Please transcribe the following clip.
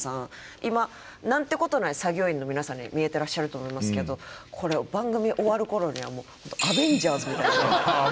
今何てことない作業員の皆さんに見えてらっしゃると思いますけどこれ番組終わる頃にはもう「アベンジャーズ」みたいに見える。